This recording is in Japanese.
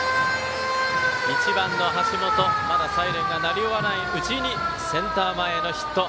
１番の橋本、まだサイレンが鳴り終わらないうちにセンター前へのヒット。